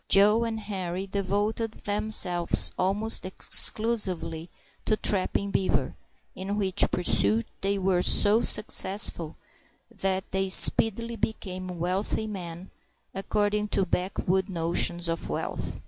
Joe and Henri devoted themselves almost exclusively to trapping beaver, in which pursuit they were so successful that they speedily became wealthy men, according to backwood notions of wealth.